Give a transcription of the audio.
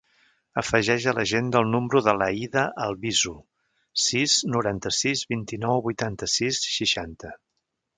Afegeix a l'agenda el número de l'Aïda Albizu: sis, noranta-sis, vint-i-nou, vuitanta-sis, seixanta.